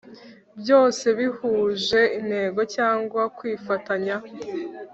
Byose bihuje intego cyangwa kwifatanya